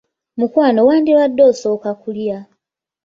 Mukwano wandibadde osooka kulya.